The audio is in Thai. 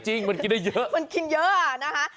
จริงมันกินได้เยอะมันกินเยอะอ่ะนะคะ